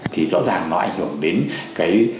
thì rõ ràng nó ảnh hưởng đến cái